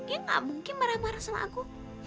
ya gak mungkin marah marah sama aku